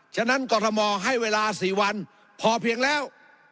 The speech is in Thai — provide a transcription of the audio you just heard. ฉะนั้นกรทมให้เวลา๔วันพอเพียงแล้ว